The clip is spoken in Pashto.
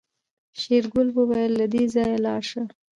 شېرګل وويل له دې ځايه لاړه شه.